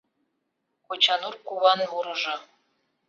Кочанур куван мурыжо